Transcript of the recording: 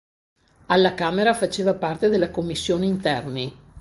Alla Camera faceva parte della commissione interni.